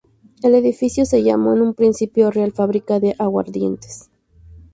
El edificio se llamó en un principio "Real Fábrica de Aguardientes".